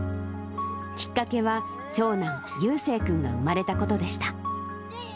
きっかけは、長男、悠青君が生まれたことでした。